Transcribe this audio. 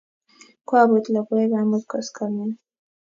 Kwaput logoek amut koskoling'